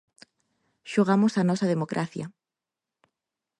Xogamos a nosa democracia.